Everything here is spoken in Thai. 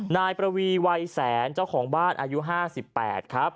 นายประวีวัยแสนเจ้าของบ้านอายุ๕๘ครับ